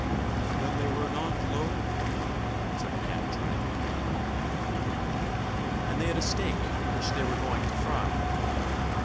"Then they were not lonely," said the cat dryly and curtly. "And they had a steak which they were going to fry."